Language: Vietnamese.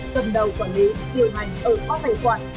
tầm đầu quản lý tiêu hành ở có tài khoản